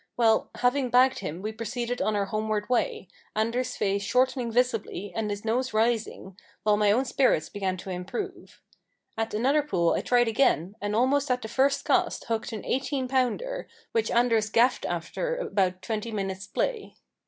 Well, having bagged him we proceeded on our homeward way, Anders' face shortening visibly and his nose rising, while my own spirits began to improve. At another pool I tried again, and almost at the first cast hooked an eighteen pounder, which Anders gaffed after about twenty minutes' play.